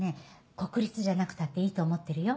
国立じゃなくたっていいと思ってるよ。